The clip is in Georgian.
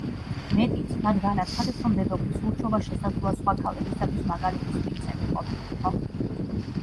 მეტიც, მათ განაცხადეს, რომ დედოფლის ურჩობა შესაძლოა სხვა ქალებისათვის მაგალითის მიმცემი ყოფილიყო.